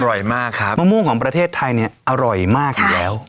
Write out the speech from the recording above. อร่อยมากครับมะม่วงของประเทศไทยเนี่ยอร่อยมากอยู่แล้ว